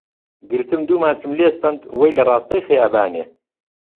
گرتم دوو ماچم لێ سەند وەی لە ڕاستەی خیابانێ